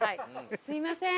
すみません。